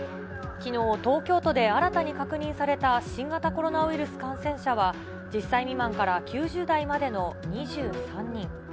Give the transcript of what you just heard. きのう、東京都で新たに確認された新型コロナウイルス感染者は、１０歳未満から９０代までの２３人。